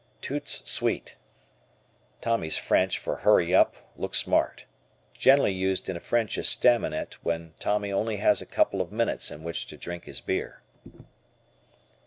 "Toots Sweet." Tommy's Preach for "hurry up," "look smart." Generally used in a French estaminet when Tommy only has a couple of minutes in which to drink his beer.